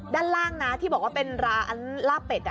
ด้านล่างนะที่บอกว่าเป็นร้านลาบเป็ด